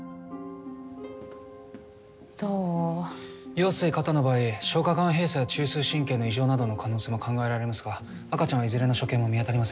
羊水過多の場合消化管閉鎖や中枢神経の異常などの可能性も考えられますが赤ちゃんはいずれの所見も見当たりません。